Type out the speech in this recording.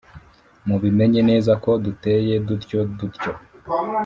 mubimenye neza ko duteye dutyo. dutyo: